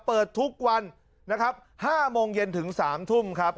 เปิดทุกวันนะครับ๕โมงเย็นถึง๓ทุ่มครับ